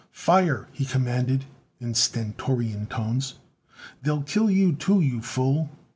"Fire," he commanded in stentorian tones. "They'll kill you too, you fool!"